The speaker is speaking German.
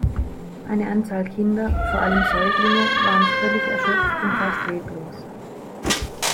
Eine Anzahl Kinder, vor allem Säuglinge, waren völlig erschöpft und fast leblos.